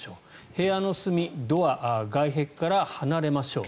部屋の隅、ドア、外壁から離れましょう。